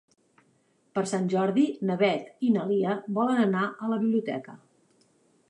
Per Sant Jordi na Beth i na Lia volen anar a la biblioteca.